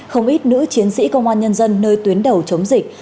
không ít nữ chiến sĩ công an nhân dân nơi tuyến đầu chống dịch